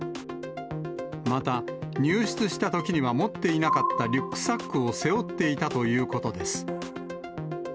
また、入室したときには持っていなかったリュックサックを背負っていたということです。